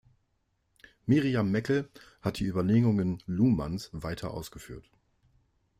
Miriam Meckel hat die Überlegungen Luhmanns weiter ausgeführt.